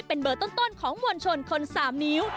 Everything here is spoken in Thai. เป็นเบอร์ต้นของมวลชนคน๓นิ้ว